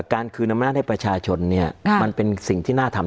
คืนอำนาจให้ประชาชนเนี่ยมันเป็นสิ่งที่น่าทำ